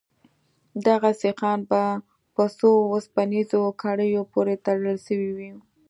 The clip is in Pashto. دغه سيخان په څو وسپنيزو کړيو پورې تړل سوي وو.